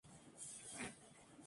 No hay consenso acerca de su fecha.